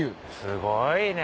すごいね。